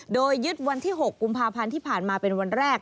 โดยยึดวันที่๖กุมภาพันธ์ที่ผ่านมาเป็นวันแรก